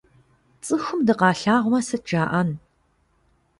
Цӏыхум дыкъалъагъумэ, сыт жаӏэн?